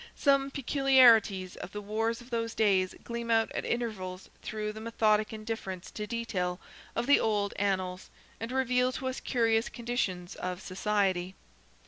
Some peculiarities of the wars of those days gleam out at intervals through the methodic indifference to detail of the old annals, and reveal to us curious conditions of society.